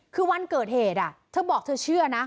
คือวันเกิดเหตุเธอบอกเธอเชื่อนะ